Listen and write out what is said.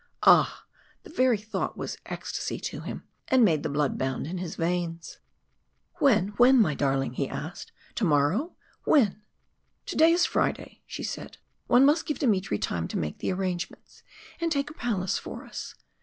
Ah! the very thought was ecstasy to him, and made the blood bound in his veins. "When, when, my darling?" he asked. "Tomorrow? When?" "To day is Friday," she said. "One must give Dmitry time to make the arrangements and take a palace for us.